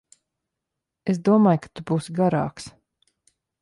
Es domāju, ka tu būsi garāks.